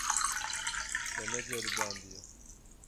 Te neceribandiye.